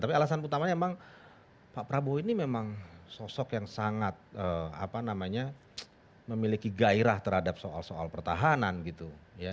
tapi alasan utama memang mbak prabowo ini memang sosok yang sangat apa namanya memiliki gairah terhadap soal soal pertahanan gitu ya